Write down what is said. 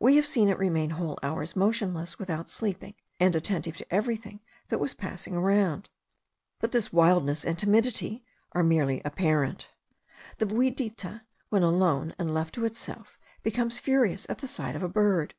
We have seen it remain whole hours motionless without sleeping, and attentive to everything that was passing around. But this wildness and timidity are merely apparent. The viudita, when alone, and left to itself, becomes furious at the sight of a bird.